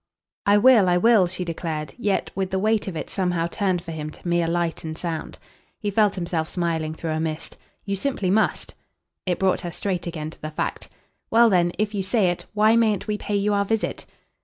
"I will, I will," she declared; yet with the weight of it somehow turned for him to mere light and sound. He felt himself smiling through a mist. "You simply must!" It brought her straight again to the fact. "Well then, if you say it, why mayn't we pay you our visit?"